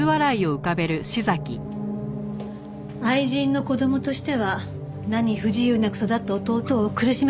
愛人の子供としては何不自由なく育った弟を苦しめたかったんでしょ？